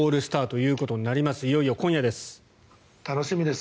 いよいよ今夜です。